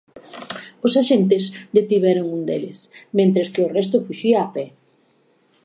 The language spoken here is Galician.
Os axentes detiveron un deles, mentres que o resto fuxiu a pé.